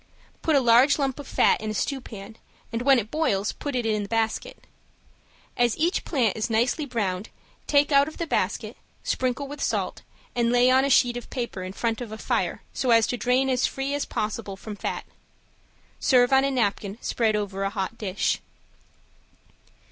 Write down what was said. Put a large lump of fat in a stewpan and when it boils put in the basket. As each plant is nicely browned take out of the basket, sprinkle with salt and lay on a sheet of paper in front of a fire so as to drain as free as possible from fat. Serve on a napkin spread over a hot dish.